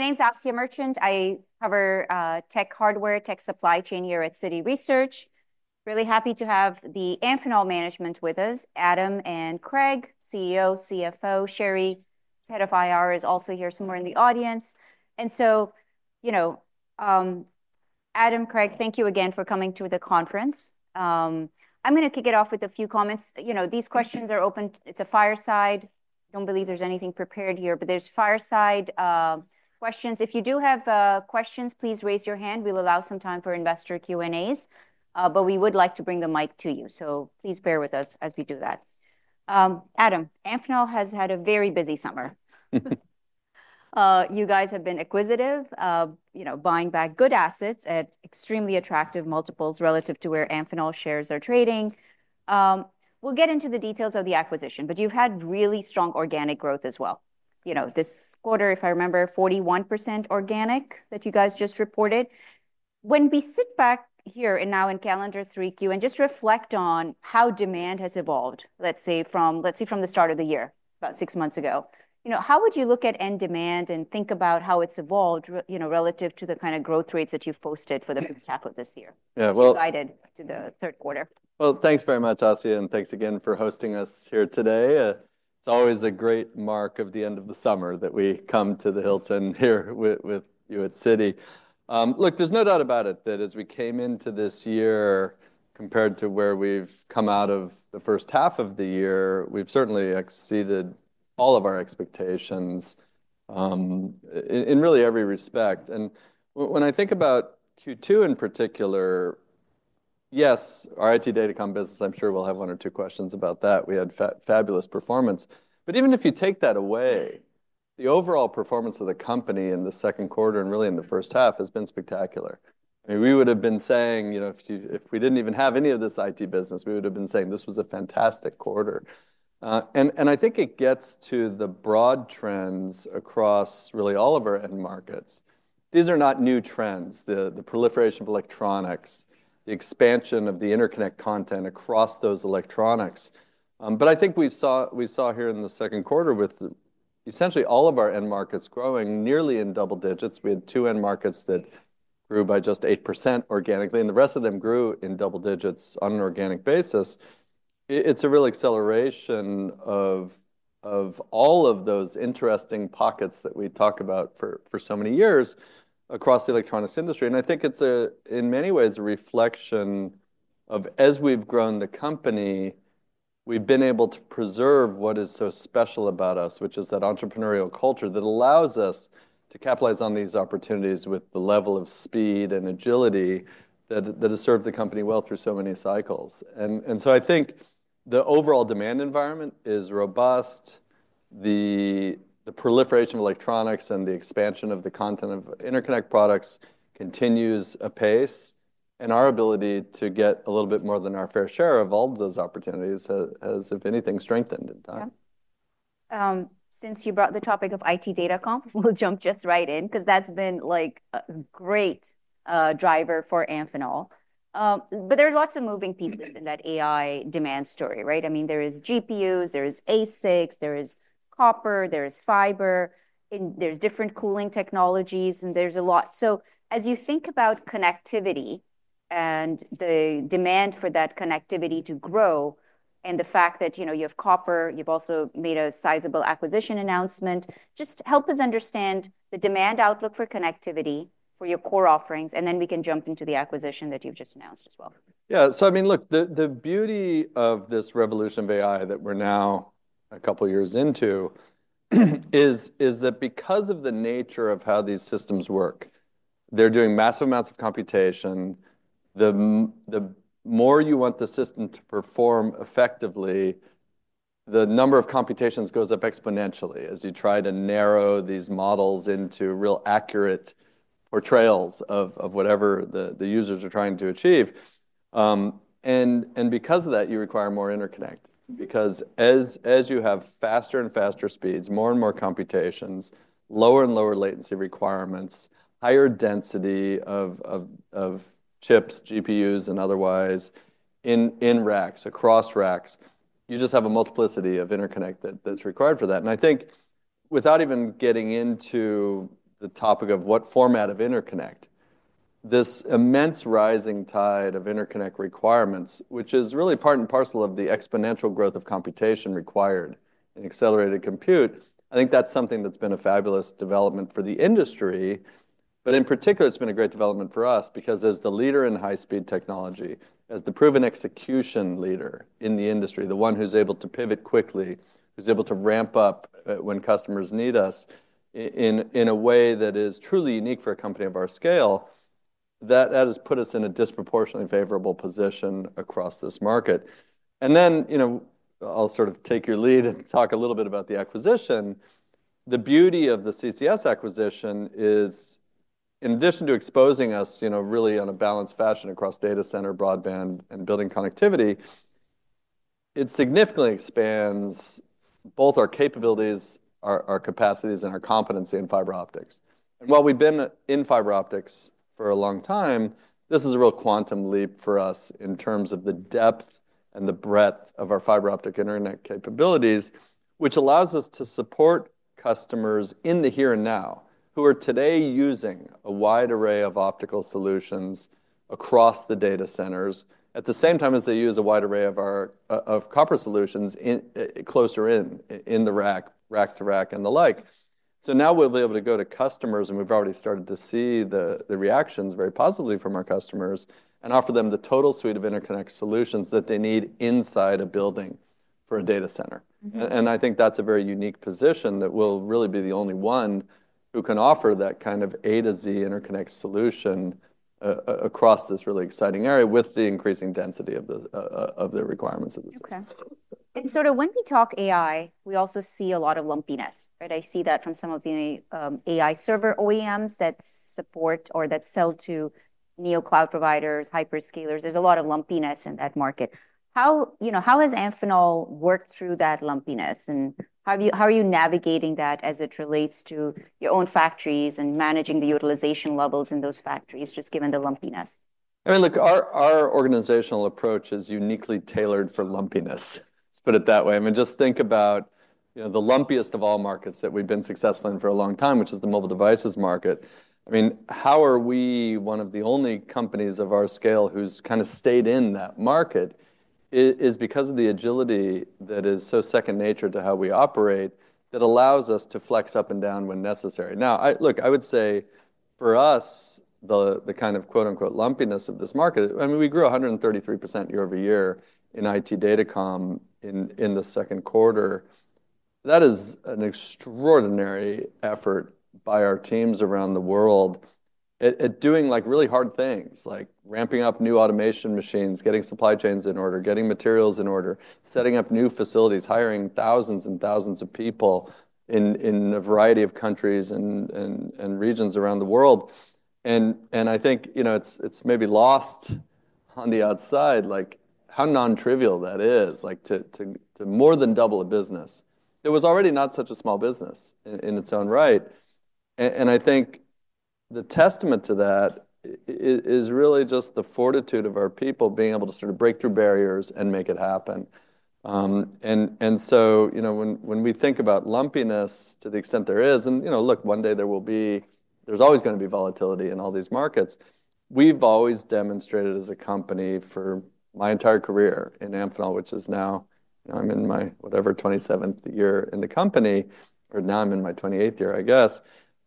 My name's Asiya Merchant. I cover tech hardware, tech supply chain here at Citi Research. Really happy to have the Amphenol management with us. Adam and Craig, CEO, CFO, Sherri, head of IR, is also here somewhere in the audience. And so, you know, Adam, Craig, thank you again for coming to the conference. I'm going to kick it off with a few comments. You know, these questions are open. It's a fireside. I don't believe there's anything prepared here, but there's fireside questions. If you do have questions, please raise your hand. We'll allow some time for investor Q&As, but we would like to bring the mic to you. So please bear with us as we do that. Adam, Amphenol has had a very busy summer. You guys have been acquisitive, you know, buying back good assets at extremely attractive multiples relative to where Amphenol shares are trading. We'll get into the details of the acquisition, but you've had really strong organic growth as well. You know, this quarter, if I remember, 41% organic that you guys just reported. When we sit back here and now in calendar 3Q and just reflect on how demand has evolved, let's say from, let's say from the start of the year, about six months ago, you know, how would you look at end demand and think about how it's evolved, you know, relative to the kind of growth rates that you've posted for the first half of this year guided to the third quarter? Thanks very much, Asiya, and thanks again for hosting us here today. It's always a great mark of the end of the summer that we come to the Hilton here with you at Citi. Look, there's no doubt about it that as we came into this year, compared to where we've come out of the first half of the year, we've certainly exceeded all of our expectations, in really every respect. When I think about Q2 in particular, yes, our IT Datacom business, I'm sure we'll have one or two questions about that. We had fabulous performance. Even if you take that away, the overall performance of the company in the second quarter and really in the first half has been spectacular. I mean, we would have been saying, you know, if we didn't even have any of this IT business, we would have been saying this was a fantastic quarter, and I think it gets to the broad trends across really all of our end markets. These are not new trends, the proliferation of electronics, the expansion of the interconnect content across those electronics, but I think we saw here in the second quarter with essentially all of our end markets growing nearly in double digits. We had two end markets that grew by just 8% organically, and the rest of them grew in double digits on an organic basis. It's a real acceleration of all of those interesting pockets that we talk about for so many years across the electronics industry. I think it's, in many ways, a reflection of, as we've grown the company, we've been able to preserve what is so special about us, which is that entrepreneurial culture that allows us to capitalize on these opportunities with the level of speed and agility that has served the company well through so many cycles. And so I think the overall demand environment is robust. The proliferation of electronics and the expansion of the content of interconnect products continues apace, and our ability to get a little bit more than our fair share of all of those opportunities has, if anything, strengthened it. Since you brought the topic of IT Datacom, we'll jump just right in, because that's been like a great driver for Amphenol, but there are lots of moving pieces in that AI demand story, right? I mean, there is GPUs, there is ASICs, there is copper, there is fiber, and there's different cooling technologies, and there's a lot, so as you think about connectivity and the demand for that connectivity to grow, and the fact that, you know, you have copper, you've also made a sizable acquisition announcement. Just help us understand the demand outlook for connectivity for your core offerings, and then we can jump into the acquisition that you've just announced as well. Yeah, so I mean, look, the beauty of this revolution of AI that we're now a couple of years into is that because of the nature of how these systems work, they're doing massive amounts of computation. The more you want the system to perform effectively, the number of computations goes up exponentially as you try to narrow these models into real accurate portrayals of whatever the users are trying to achieve, and because of that, you require more interconnect, because as you have faster and faster speeds, more and more computations, lower and lower latency requirements, higher density of chips, GPUs, and otherwise in racks, across racks, you just have a multiplicity of interconnect that's required for that. I think without even getting into the topic of what format of interconnect, this immense rising tide of interconnect requirements, which is really part and parcel of the exponential growth of computation required in accelerated compute, I think that's something that's been a fabulous development for the industry, but in particular, it's been a great development for us because as the leader in high-speed technology, as the proven execution leader in the industry, the one who's able to pivot quickly, who's able to ramp up when customers need us in a way that is truly unique for a company of our scale, that has put us in a disproportionately favorable position across this market, and then, you know, I'll sort of take your lead and talk a little bit about the acquisition. The beauty of the CCS acquisition is, in addition to exposing us, you know, really in a balanced fashion across data center, broadband, and building connectivity, it significantly expands both our capabilities, our, our capacities, and our competency in fiber optics, and while we've been in fiber optics for a long time, this is a real quantum leap for us in terms of the depth and the breadth of our fiber optic internet capabilities, which allows us to support customers in the here and now who are today using a wide array of optical solutions across the data centers at the same time as they use a wide array of our, of copper solutions in closer in, in the rack, rack to rack and the like. So now we'll be able to go to customers, and we've already started to see the reactions very positively from our customers and offer them the total suite of interconnect solutions that they need inside a building for a data center. And I think that's a very unique position that we'll really be the only one who can offer that kind of A to Z interconnect solution, across this really exciting area with the increasing density of the requirements of the system. Okay. And sort of when we talk AI, we also see a lot of lumpiness, right? I see that from some of the AI server OEMs that support or that sell to hyperscale cloud providers, hyperscalers. There's a lot of lumpiness in that market. How, you know, how has Amphenol worked through that lumpiness? And how have you, how are you navigating that as it relates to your own factories and managing the utilization levels in those factories just given the lumpiness? I mean, look, our organizational approach is uniquely tailored for lumpiness. Let's put it that way. I mean, just think about, you know, the lumpiest of all markets that we've been successful in for a long time, which is the mobile devices market. I mean, how are we one of the only companies of our scale who's kind of stayed in that market is because of the agility that is so second nature to how we operate that allows us to flex up and down when necessary. Now, I look, I would say for us, the kind of quote unquote lumpiness of this market, I mean, we grew 133% year over year in IT Datacom in the second quarter. That is an extraordinary effort by our teams around the world at doing like really hard things, like ramping up new automation machines, getting supply chains in order, getting materials in order, setting up new facilities, hiring thousands and thousands of people in a variety of countries and regions around the world. And I think, you know, it's maybe lost on the outside, like how non-trivial that is, like to more than double a business. It was already not such a small business in its own right. And I think the testament to that is really just the fortitude of our people being able to sort of break through barriers and make it happen. And so, you know, when we think about lumpiness to the extent there is, and, you know, look, one day there will be. There's always going to be volatility in all these markets. We've always demonstrated as a company for my entire career in Amphenol, which is now, you know, I'm in my whatever 27th year in the company, or now I'm in my 28th year, I guess,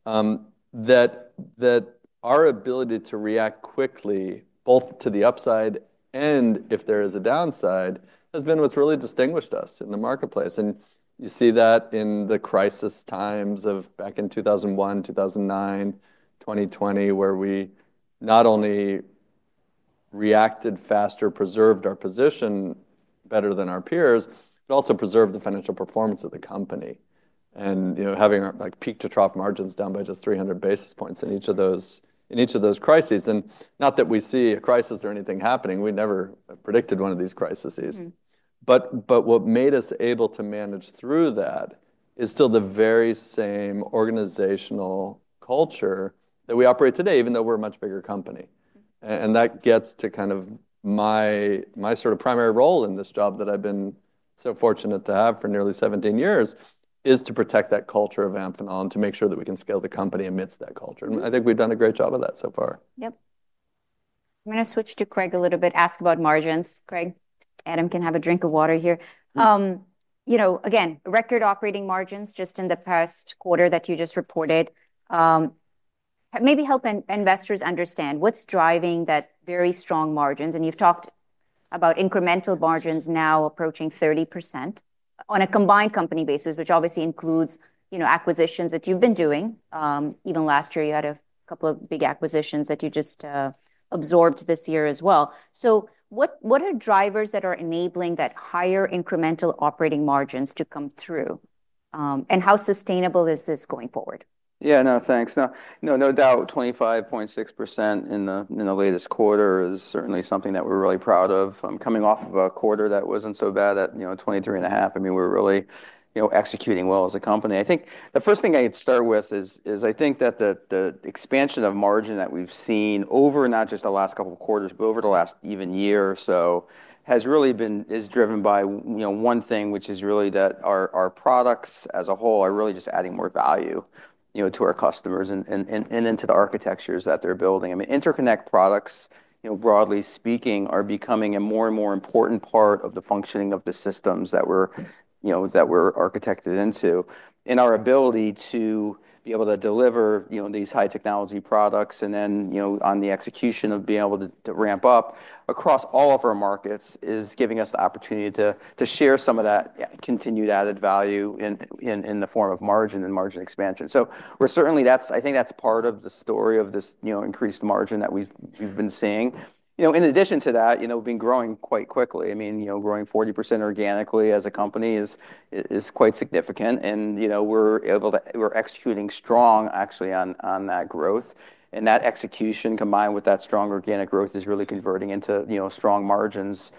that our ability to react quickly both to the upside and if there is a downside has been what's really distinguished us in the marketplace, and you see that in the crisis times of back in 2001, 2009, 2020, where we not only reacted faster, preserved our position better than our peers, but also preserved the financial performance of the company. And, you know, having our like peak to trough margins down by just 300 basis points in each of those, in each of those crises. And not that we see a crisis or anything happening. We never predicted one of these crises. But, but what made us able to manage through that is still the very same organizational culture that we operate today, even though we're a much bigger company. And that gets to kind of my, my sort of primary role in this job that I've been so fortunate to have for nearly 17 years is to protect that culture of Amphenol and to make sure that we can scale the company amidst that culture. And I think we've done a great job of that so far. Yep. I'm going to switch to Craig a little bit, ask about margins. Craig, Adam can have a drink of water here. You know, again, record operating margins just in the past quarter that you just reported. Maybe help investors understand what's driving that very strong margins. And you've talked about incremental margins now approaching 30% on a combined company basis, which obviously includes, you know, acquisitions that you've been doing. Even last year, you had a couple of big acquisitions that you just absorbed this year as well. So what are drivers that are enabling that higher incremental operating margins to come through? And how sustainable is this going forward? Yeah, no, thanks. No, no, no doubt 25.6% in the latest quarter is certainly something that we're really proud of. I'm coming off of a quarter that wasn't so bad at, you know, 23.5%. I mean, we're really, you know, executing well as a company. I think the first thing I'd start with is I think that the expansion of margin that we've seen over not just the last couple of quarters, but over the last even year or so has really been, is driven by, you know, one thing, which is really that our products as a whole are really just adding more value, you know, to our customers and into the architectures that they're building. I mean, interconnect products, you know, broadly speaking, are becoming a more and more important part of the functioning of the systems that we're, you know, architected into. And our ability to be able to deliver, you know, these high technology products and then, you know, on the execution of being able to ramp up across all of our markets is giving us the opportunity to share some of that continued added value in the form of margin and margin expansion. So we're certainly that's. I think that's part of the story of this, you know, increased margin that we've been seeing. You know, in addition to that, you know, we've been growing quite quickly. I mean, you know, growing 40% organically as a company is quite significant. And, you know, we're able to. We're executing strong actually on that growth. That execution combined with that strong organic growth is really converting into, you know, strong margins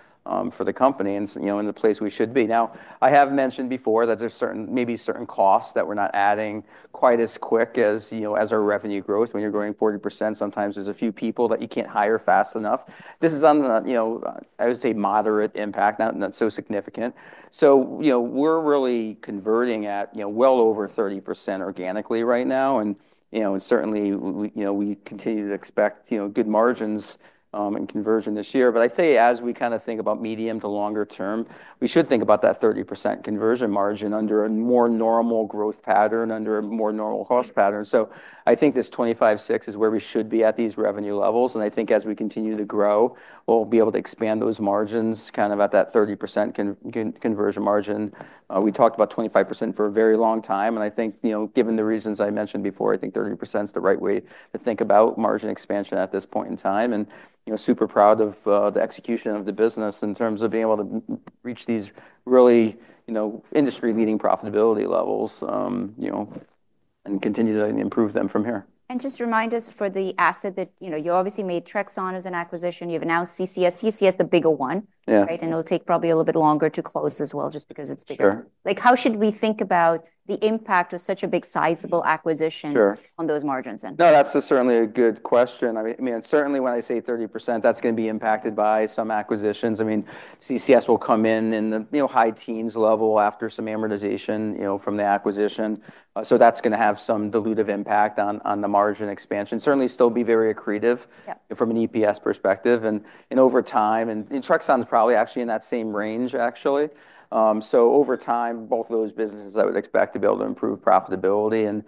for the company and, you know, in the place we should be. Now, I have mentioned before that there's certain, maybe certain costs that we're not adding quite as quick as, you know, as our revenue growth. When you're growing 40%, sometimes there's a few people that you can't hire fast enough. This is on the, you know, I would say moderate impact, not, not so significant. So, you know, we're really converting at, you know, well over 30% organically right now. And, you know, and certainly we, you know, we continue to expect, you know, good margins and conversion this year. But I say as we kind of think about medium to longer term, we should think about that 30% conversion margin under a more normal growth pattern, under a more normal cost pattern. So I think this 25.6% is where we should be at these revenue levels. And I think as we continue to grow, we'll be able to expand those margins kind of at that 30% conversion margin. We talked about 25% for a very long time. And I think, you know, given the reasons I mentioned before, I think 30% is the right way to think about margin expansion at this point in time. And, you know, super proud of the execution of the business in terms of being able to reach these really, you know, industry leading profitability levels, you know, and continue to improve them from here. Just remind us for the asset that, you know, you obviously made Trexon as an acquisition. You have now CCS. CCS is the bigger one. Yeah. Right. And it'll take probably a little bit longer to close as well, just because it's bigger. Sure. Like how should we think about the impact of such a big sizable acquisition on those margins then? No, that's certainly a good question. I mean, I mean, certainly when I say 30%, that's going to be impacted by some acquisitions. I mean, CCS will come in in the, you know, high teens level after some amortization, you know, from the acquisition. So that's going to have some dilutive impact on the margin expansion. Certainly still be very accretive from an EPS perspective. And, and over time and, and Trexon is probably actually in that same range actually. So over time, both of those businesses I would expect to be able to improve profitability and,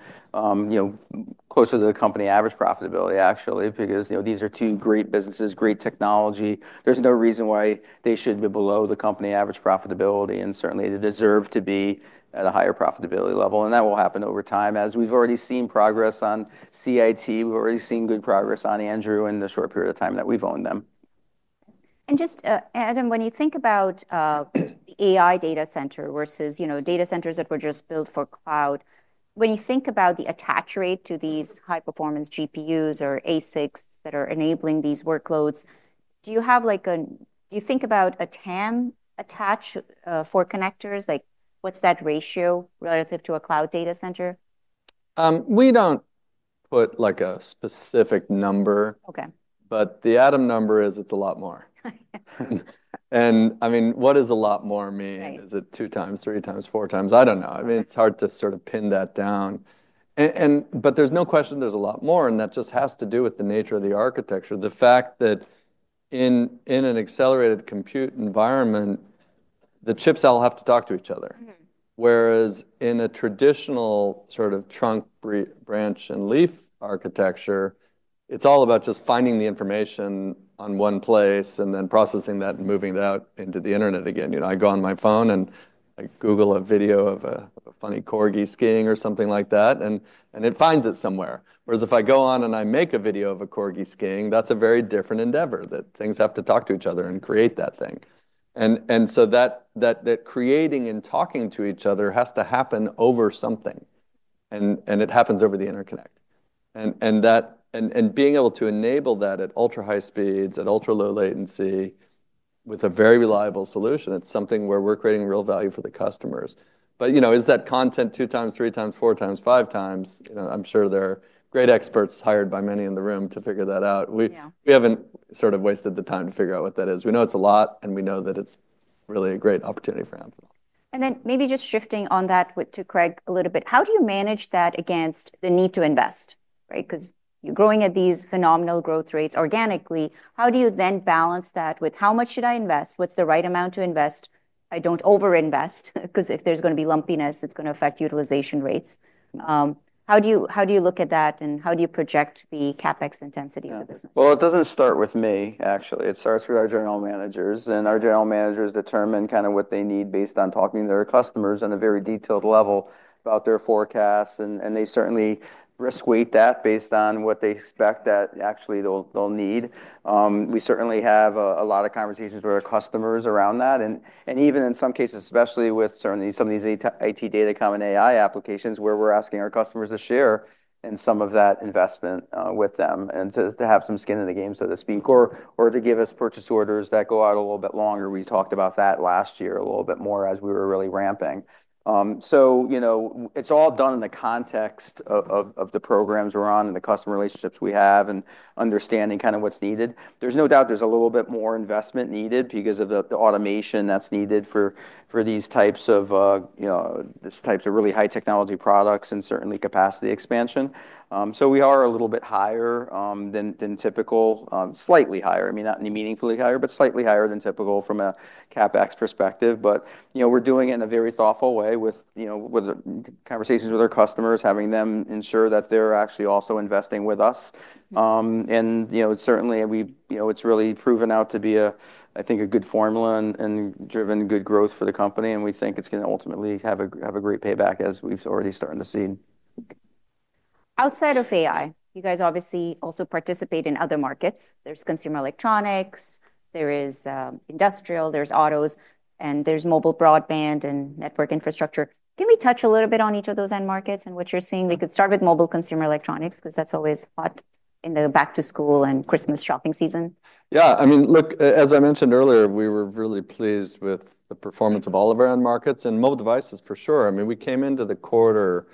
you know, closer to the company average profitability actually because, you know, these are two great businesses, great technology. There's no reason why they should be below the company average profitability and certainly they deserve to be at a higher profitability level. That will happen over time as we've already seen progress on CIT. We've already seen good progress on Trexon in the short period of time that we've owned them. Just, Adam, when you think about the AI data center versus, you know, data centers that were just built for cloud, when you think about the attach rate to these high performance GPUs or ASICs that are enabling these workloads, do you have like a, do you think about a TAM attach for connectors? Like, what's that ratio relative to a cloud data center? We don't put like a specific number. Okay. But the Adam number is. It's a lot more. And I mean, what does a lot more mean? Is it two times, three times, four times? I don't know. I mean, it's hard to sort of pin that down. But there's no question there's a lot more, and that just has to do with the nature of the architecture. The fact that in an accelerated compute environment, the chips all have to talk to each other. Whereas in a traditional sort of trunk branch and leaf architecture, it's all about just finding the information in one place and then processing that and moving it out into the internet again. You know, I go on my phone and I Google a video of a funny corgi skating or something like that, and it finds it somewhere. Whereas if I go on and I make a video of a corgi skating, that's a very different endeavor that things have to talk to each other and create that thing. And so that creating and talking to each other has to happen over something. And it happens over the interconnect. And that being able to enable that at ultra high speeds, at ultra low latency with a very reliable solution, it's something where we're creating real value for the customers. But, you know, is that content two times, three times, four times, five times? You know, I'm sure there are great experts hired by many in the room to figure that out. We haven't sort of wasted the time to figure out what that is. We know it's a lot and we know that it's really a great opportunity for Amphenol. And then maybe just shifting on that with to Craig a little bit, how do you manage that against the need to invest, right? Because you're growing at these phenomenal growth rates organically. How do you then balance that with how much should I invest? What's the right amount to invest? I don't overinvest because if there's going to be lumpiness, it's going to affect utilization rates. How do you look at that and how do you project the CapEx intensity of the business? It doesn't start with me actually. It starts with our general managers and our general managers determine kind of what they need based on talking to their customers on a very detailed level about their forecasts. They certainly risk weight that based on what they expect that actually they'll need. We certainly have a lot of conversations with our customers around that. Even in some cases, especially with certainly some of these IT Datacom AI applications where we're asking our customers to share in some of that investment, with them and to have some skin in the game, so to speak, or to give us purchase orders that go out a little bit longer. We talked about that last year a little bit more as we were really ramping. So, you know, it's all done in the context of the programs we're on and the customer relationships we have and understanding kind of what's needed. There's no doubt there's a little bit more investment needed because of the automation that's needed for these types of, you know, these types of really high technology products and certainly capacity expansion. So we are a little bit higher than typical, slightly higher. I mean, not any meaningfully higher, but slightly higher than typical from a CapEx perspective. But, you know, we're doing it in a very thoughtful way with, you know, with conversations with our customers, having them ensure that they're actually also investing with us. And, you know, certainly we, you know, it's really proven out to be a, I think a good formula and driven good growth for the company. We think it's going to ultimately have a great payback as we've already started to see. Outside of AI, you guys obviously also participate in other markets. There's consumer electronics, there is industrial, there's autos, and there's mobile broadband and network infrastructure. Can we touch a little bit on each of those end markets and what you're seeing? We could start with mobile consumer electronics because that's always hot in the back to school and Christmas shopping season. Yeah. I mean, look, as I mentioned earlier, we were really pleased with the performance of all of our end markets and mobile devices for sure. I mean, we came into the quarter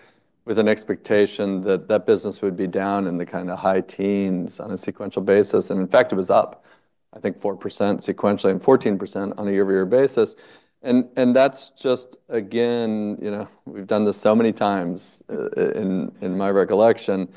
with an expectation that that business would be down in the kind of high teens on a sequential basis. And in fact, it was up, I think 4% sequentially and 14% on a year-over-year basis. And that's just, again, you know, we've done this so many times in my recollection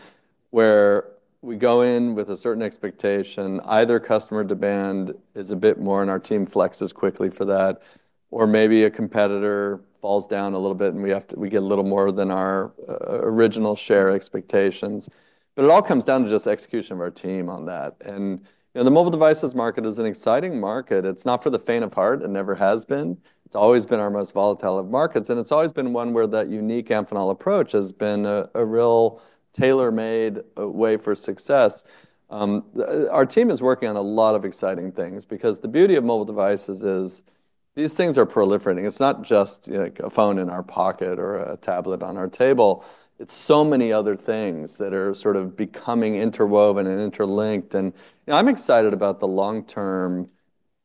where we go in with a certain expectation, either customer demand is a bit more and our team flexes quickly for that, or maybe a competitor falls down a little bit and we get a little more than our original share expectations. But it all comes down to just execution of our team on that. And, you know, the mobile devices market is an exciting market. It's not for the faint of heart. It never has been. It's always been our most volatile of markets. And it's always been one where that unique Amphenol approach has been a real tailor-made way for success. Our team is working on a lot of exciting things because the beauty of mobile devices is these things are proliferating. It's not just like a phone in our pocket or a tablet on our table. It's so many other things that are sort of becoming interwoven and interlinked. And, you know, I'm excited about the long term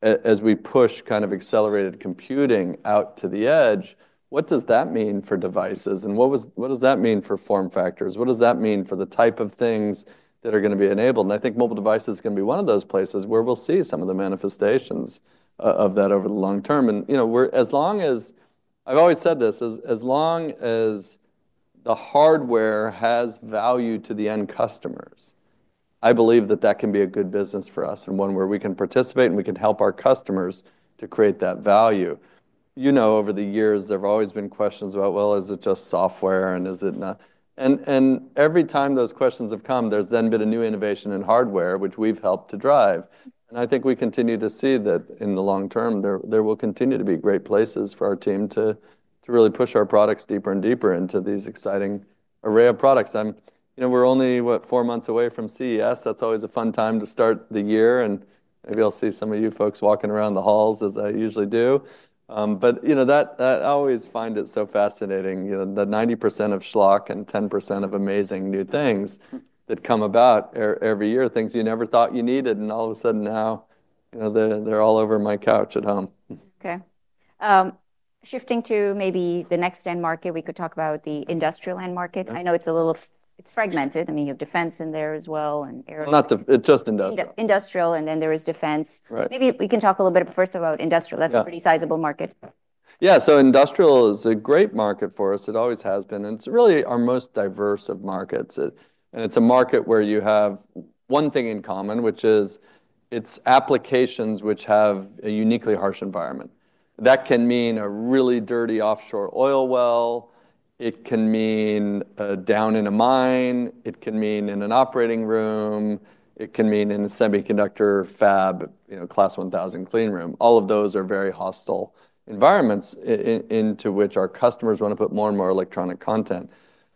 as we push kind of accelerated computing out to the edge. What does that mean for devices? And what does that mean for form factors? What does that mean for the type of things that are going to be enabled? And I think mobile devices is going to be one of those places where we'll see some of the manifestations of that over the long term. And, you know, we're, as long as I've always said this, as long as the hardware has value to the end customers, I believe that that can be a good business for us and one where we can participate and we can help our customers to create that value. You know, over the years, there've always been questions about, well, is it just software and is it not? And every time those questions have come, there's then been a new innovation in hardware, which we've helped to drive. I think we continue to see that in the long term, there will continue to be great places for our team to really push our products deeper and deeper into these exciting array of products. I'm, you know, we're only what, four months away from CES. That's always a fun time to start the year. And maybe I'll see some of you folks walking around the halls as I usually do. But, you know, that I always find it so fascinating, you know, the 90% of schlock and 10% of amazing new things that come about every year, things you never thought you needed. And all of a sudden now, you know, they're all over my couch at home. Okay. Shifting to maybe the next end market, we could talk about the industrial end market. I know it's a little, it's fragmented. I mean, you have defense in there as well and air. Not the, it's just industrial. Industrial, and then there is defense. Right. Maybe we can talk a little bit first about industrial. That's a pretty sizable market. Yeah. So industrial is a great market for us. It always has been. And it's really our most diverse of markets. And it's a market where you have one thing in common, which is its applications, which have a uniquely harsh environment. That can mean a really dirty offshore oil well. It can mean a down in a mine. It can mean in an operating room. It can mean in a semiconductor fab, you know, class 1000 clean room. All of those are very hostile environments into which our customers want to put more and more electronic content.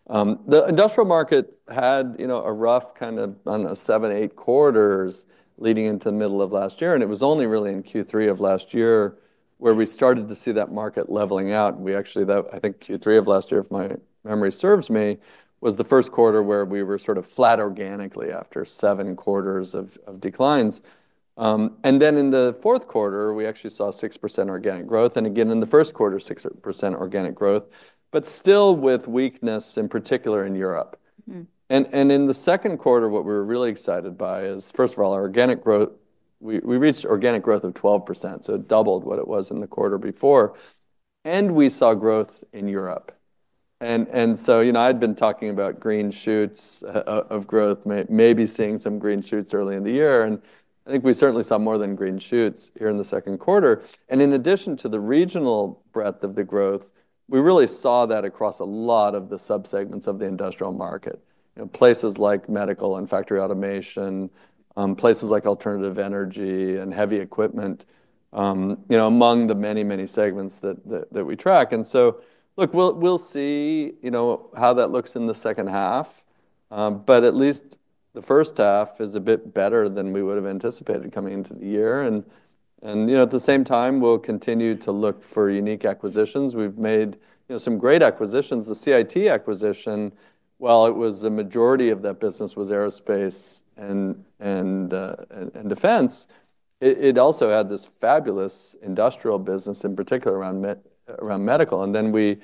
The industrial market had, you know, a rough kind of, I don't know, seven, eight quarters leading into the middle of last year. And it was only really in Q3 of last year where we started to see that market leveling out. We actually, that I think Q3 of last year, if my memory serves me, was the first quarter where we were sort of flat organically after seven quarters of declines, and then in the fourth quarter, we actually saw 6% organic growth, and again, in the first quarter, 6% organic growth, but still with weakness in particular in Europe, and in the second quarter, what we were really excited by is first of all, our organic growth, we reached organic growth of 12%, so it doubled what it was in the quarter before, and we saw growth in Europe, and so, you know, I'd been talking about green shoots of growth, maybe seeing some green shoots early in the year, and I think we certainly saw more than green shoots here in the second quarter. And in addition to the regional breadth of the growth, we really saw that across a lot of the subsegments of the industrial market, you know, places like medical and factory automation, places like alternative energy and heavy equipment, you know, among the many, many segments that we track. And so look, we'll see, you know, how that looks in the second half. But at least the first half is a bit better than we would've anticipated coming into the year. And you know, at the same time, we'll continue to look for unique acquisitions. We've made, you know, some great acquisitions. The CIT acquisition, while a majority of that business was aerospace and defense, it also had this fabulous industrial business in particular around medical. And then we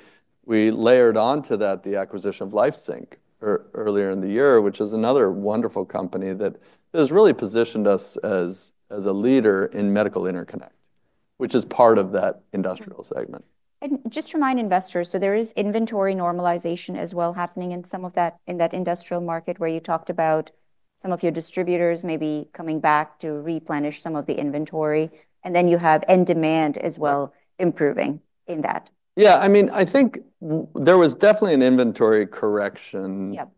layered onto that the acquisition of LifeSync earlier in the year, which is another wonderful company that has really positioned us as a leader in medical interconnect, which is part of that industrial segment. Just to remind investors, so there is inventory normalization as well happening in some of that, in that industrial market where you talked about some of your distributors maybe coming back to replenish some of the inventory. Then you have end demand as well improving in that. Yeah. I mean, I think there was definitely an inventory correction. Yep.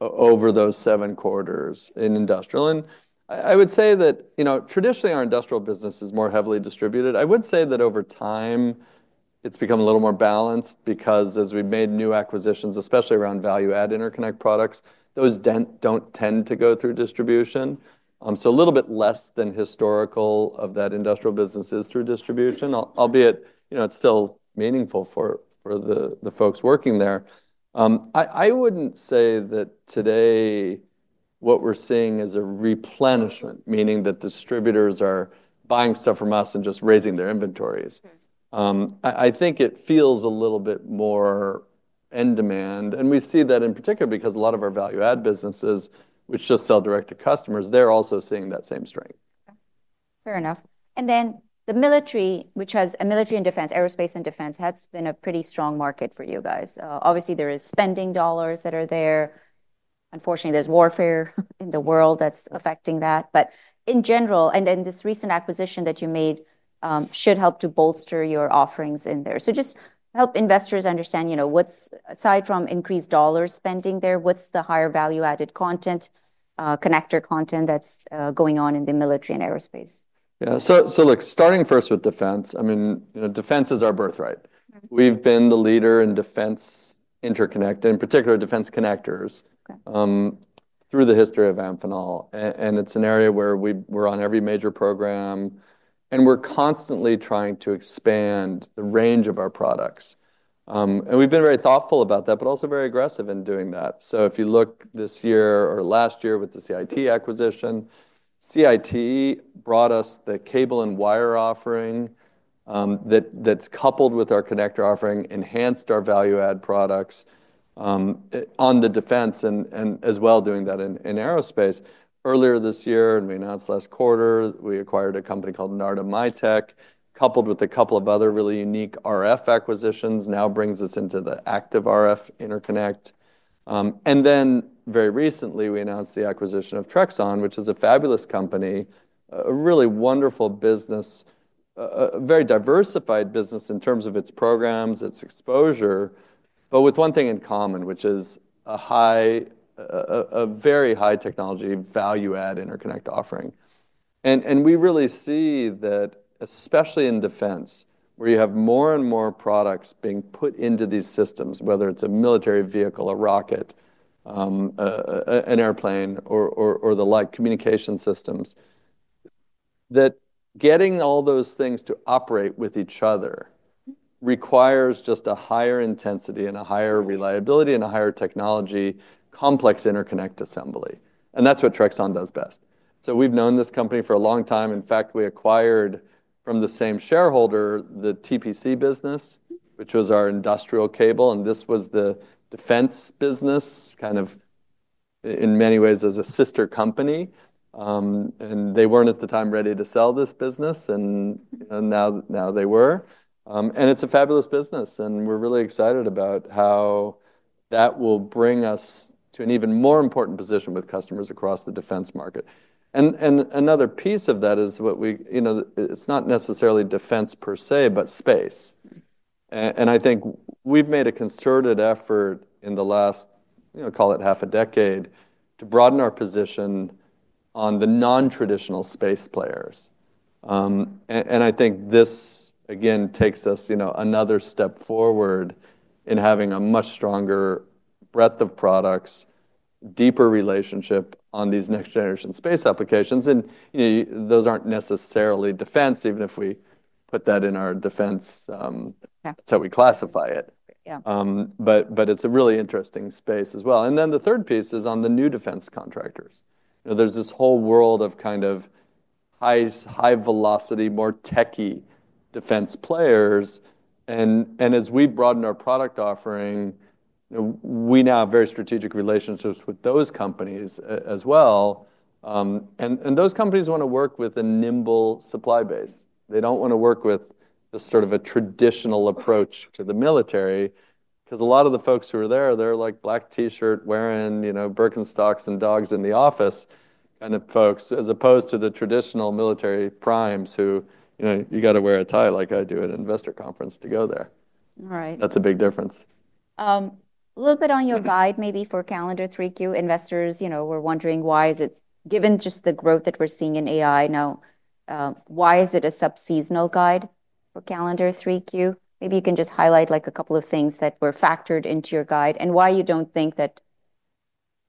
Over those seven quarters in industrial, and I would say that, you know, traditionally our industrial business is more heavily distributed. I would say that over time it's become a little more balanced because as we've made new acquisitions, especially around value-add interconnect products, those don't tend to go through distribution. So a little bit less than historical of that industrial business is through distribution, albeit you know, it's still meaningful for the folks working there. I wouldn't say that today what we're seeing is a replenishment, meaning that distributors are buying stuff from us and just raising their inventories. I think it feels a little bit more end demand. And we see that in particular because a lot of our value-add businesses, which just sell direct to customers, they're also seeing that same strength. Fair enough. And then the military, which has a military and defense, aerospace and defense has been a pretty strong market for you guys. Obviously there are spending dollars that are there. Unfortunately, there's warfare in the world that's affecting that. But in general, and then this recent acquisition that you made should help to bolster your offerings in there. So just help investors understand, you know, what's aside from increased dollar spending there, what's the higher value-added content, connector content that's going on in the military and aerospace. Yeah. So look, starting first with defense, I mean, you know, defense is our birthright. We've been the leader in defense interconnect, in particular defense connectors, through the history of Amphenol. It's an area where we were on every major program and we're constantly trying to expand the range of our products. We've been very thoughtful about that, but also very aggressive in doing that. If you look this year or last year with the CIT acquisition, CIT brought us the cable and wire offering, that's coupled with our connector offering, enhanced our value-add products on the defense and as well doing that in aerospace. Earlier this year, we announced last quarter, we acquired a company called Narda-MITEQ, coupled with a couple of other really unique RF acquisitions, now brings us into the active RF interconnect. And then very recently we announced the acquisition of Trexon, which is a fabulous company, a really wonderful business, a very diversified business in terms of its programs, its exposure, but with one thing in common, which is a high, a very high technology value-add interconnect offering. And we really see that, especially in defense, where you have more and more products being put into these systems, whether it's a military vehicle, a rocket, an airplane or the like communication systems, that getting all those things to operate with each other requires just a higher intensity and a higher reliability and a higher technology complex interconnect assembly. And that's what Trexon does best. So we've known this company for a long time. In fact, we acquired from the same shareholder the TPC business, which was our industrial cable. This was the defense business kind of in many ways as a sister company. They weren't at the time ready to sell this business. You know, now, now they were. It's a fabulous business. We're really excited about how that will bring us to an even more important position with customers across the defense market. Another piece of that is what we, you know, it's not necessarily defense per se, but space. I think we've made a concerted effort in the last, you know, call it half a decade to broaden our position on the non-traditional space players. This again takes us, you know, another step forward in having a much stronger breadth of products, deeper relationship on these next generation space applications. And, you know, those aren't necessarily defense, even if we put that in our defense, that's how we classify it. Yeah. It's a really interesting space as well. Then the third piece is on the new defense contractors. You know, there's this whole world of kind of high velocity, more techy defense players. And as we broaden our product offering, you know, we now have very strategic relationships with those companies as well. And those companies wanna work with a nimble supply base. They don't wanna work with the sort of a traditional approach to the military 'cause a lot of the folks who are there, they're like black t-shirt wearing, you know, Birkenstocks and dogs in the office kind of folks, as opposed to the traditional military primes who, you know, you gotta wear a tie like I do at an investor conference to go there. All right. That's a big difference. A little bit on your guide maybe for calendar 3Q investors, you know, we're wondering why is it given just the growth that we're seeing in AI now, why is it a sub-seasonal guide for calendar 3Q? Maybe you can just highlight like a couple of things that were factored into your guide and why you don't think that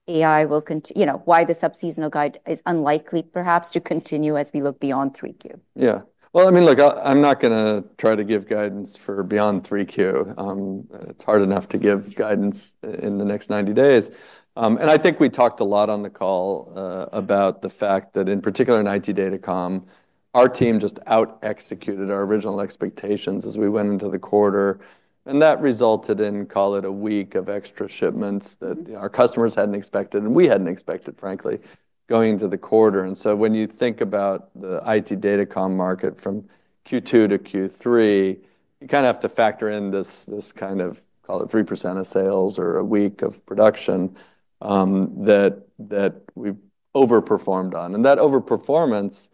AI will continue, you know, why the sub-seasonal guide is unlikely perhaps to continue as we look beyond 3Q. Yeah. Well, I mean, look, I'm not gonna try to give guidance for beyond 3Q. It's hard enough to give guidance in the next 90 days. And I think we talked a lot on the call about the fact that in particular in IT Datacom, our team just out executed our original expectations as we went into the quarter. And that resulted in, call it a week of extra shipments that our customers hadn't expected and we hadn't expected, frankly, going into the quarter. And so when you think about the IT Datacom market from Q2 to Q3, you kind of have to factor in this, this kind of, call it 3% of sales or a week of production, that, that we overperformed on. And that overperformance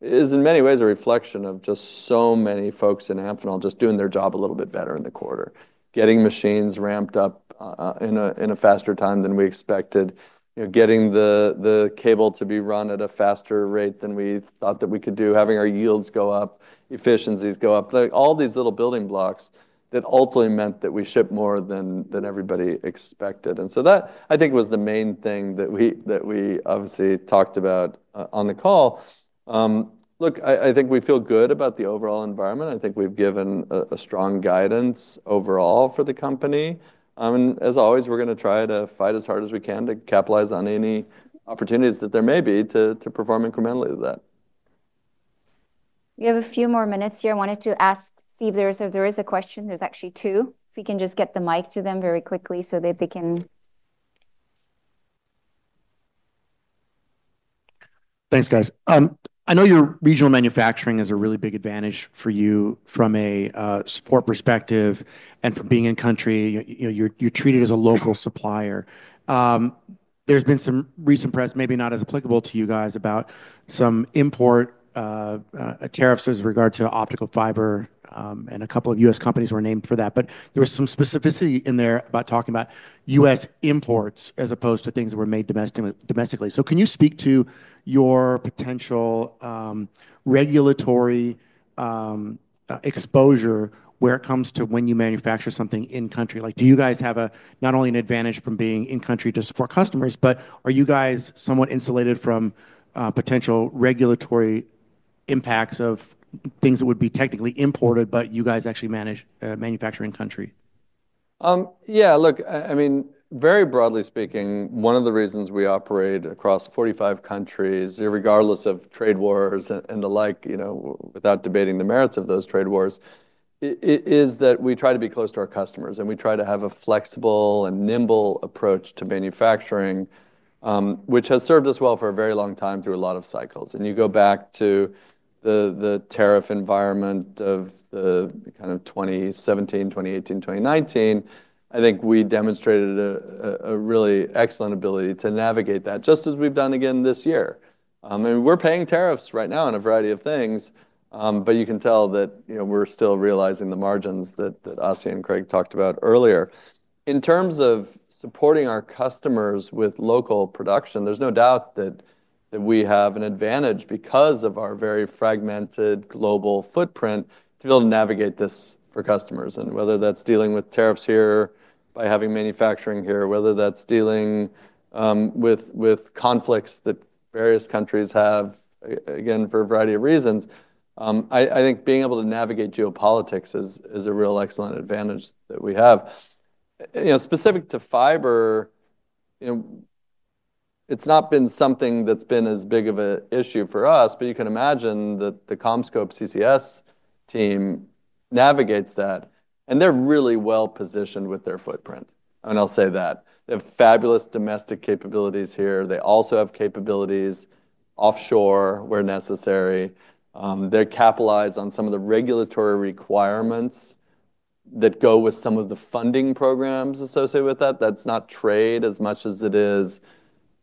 is in many ways a reflection of just so many folks in Amphenol just doing their job a little bit better in the quarter, getting machines ramped up in a faster time than we expected, you know, getting the cable to be run at a faster rate than we thought that we could do, having our yields go up, efficiencies go up, like all these little building blocks that ultimately meant that we shipped more than everybody expected. And so that I think was the main thing that we obviously talked about on the call. Look, I think we feel good about the overall environment. I think we've given a strong guidance overall for the company. And as always, we're gonna try to fight as hard as we can to capitalize on any opportunities that there may be to perform incrementally to that. We have a few more minutes here. I wanted to ask, see if there is a question. There's actually two. If we can just get the mic to them very quickly so that they can. Thanks, guys. I know your regional manufacturing is a really big advantage for you from a support perspective and from being in country. You know, you're treated as a local supplier. There's been some recent press, maybe not as applicable to you guys about some import tariffs as regard to optical fiber. And a couple of U.S. companies were named for that, but there was some specificity in there about talking about U.S. imports as opposed to things that were made domestically. So can you speak to your potential regulatory exposure where it comes to when you manufacture something in country? Like, do you guys have a not only an advantage from being in country just for customers, but are you guys somewhat insulated from potential regulatory impacts of things that would be technically imported, but you guys actually manage manufacture in country? Yeah, look, I mean, very broadly speaking, one of the reasons we operate across 45 countries, irregardless of trade wars and the like, you know, without debating the merits of those trade wars, it is that we try to be close to our customers and we try to have a flexible and nimble approach to manufacturing, which has served us well for a very long time through a lot of cycles. You go back to the tariff environment of the kind of 2017, 2018, 2019. I think we demonstrated a really excellent ability to navigate that just as we've done again this year. We're paying tariffs right now on a variety of things. But you can tell that, you know, we're still realizing the margins that Asiya and Craig talked about earlier. In terms of supporting our customers with local production, there's no doubt that we have an advantage because of our very fragmented global footprint to be able to navigate this for customers. And whether that's dealing with tariffs here by having manufacturing here, whether that's dealing with conflicts that various countries have, again, for a variety of reasons. I think being able to navigate geopolitics is a real excellent advantage that we have. You know, specific to fiber, you know, it's not been something that's been as big of an issue for us, but you can imagine that the CommScope CCS team navigates that and they're really well positioned with their footprint. And I'll say that they have fabulous domestic capabilities here. They also have capabilities offshore where necessary. They're capitalized on some of the regulatory requirements that go with some of the funding programs associated with that. That's not trade as much as it is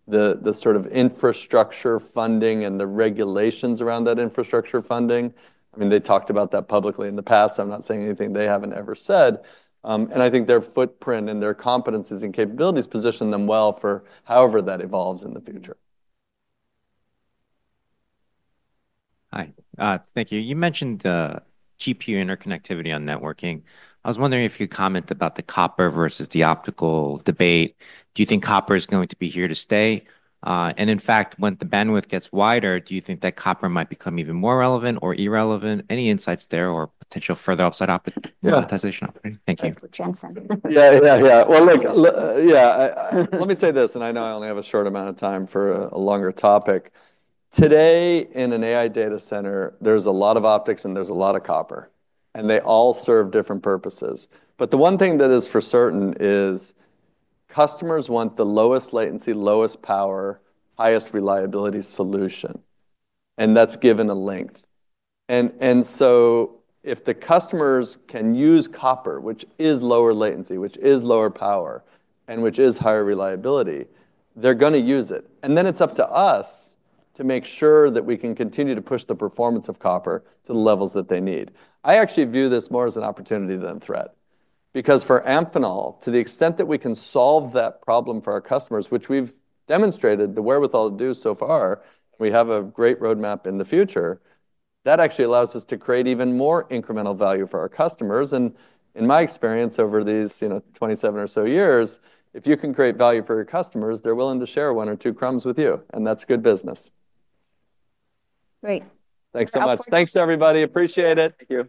the sort of infrastructure funding and the regulations around that infrastructure funding. I mean, they talked about that publicly in the past. I'm not saying anything they haven't ever said, and I think their footprint and their competencies and capabilities position them well for however that evolves in the future. Hi. Thank you. You mentioned the GPU interconnectivity on networking. I was wondering if you could comment about the copper versus the optical debate. Do you think copper is going to be here to stay? And in fact, when the bandwidth gets wider, do you think that copper might become even more relevant or irrelevant? Any insights there or potential further upside optimization opportunity? Thank you. Yeah. Yeah. Yeah. Well, look, yeah, I let me say this, and I know I only have a short amount of time for a longer topic. Today in an AI data center, there's a lot of optics and there's a lot of copper, and they all serve different purposes. But the one thing that is for certain is customers want the lowest latency, lowest power, highest reliability solution, and that's given a length. And so if the customers can use copper, which is lower latency, which is lower power, and which is higher reliability, they're gonna use it. And then it's up to us to make sure that we can continue to push the performance of copper to the levels that they need. I actually view this more as an opportunity than a threat because for Amphenol, to the extent that we can solve that problem for our customers, which we've demonstrated the wherewithal to do so far, and we have a great roadmap in the future, that actually allows us to create even more incremental value for our customers, and in my experience over these, you know, 27 or so years, if you can create value for your customers, they're willing to share one or two crumbs with you, and that's good business. Great. Thanks so much. Thanks everybody. Appreciate it.